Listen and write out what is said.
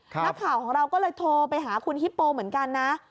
นักข่าวของเราก็เลยโทรไปหาคุณฮิปโปเหมือนกันนะ